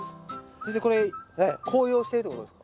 先生これ紅葉してるってことですか？